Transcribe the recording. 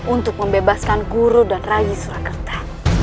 untuk membebaskan guru dan raji surakarta